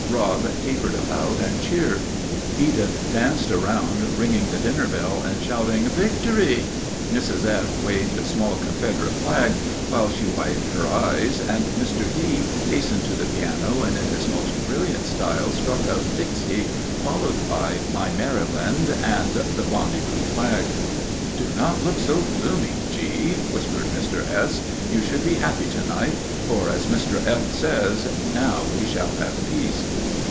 Rob capered about and cheered; Edith danced around ringing the dinner bell and shouting, "Victory!" Mrs. F. waved a small Confederate flag, while she wiped her eyes, and Mr. D. hastened to the piano and in his most brilliant style struck up "Dixie," followed by "My Maryland" and the "Bonnie Blue Flag." "Do not look so gloomy, G.," whispered Mr. S. "You should be happy to night; for, as Mr. F. says, now we shall have peace."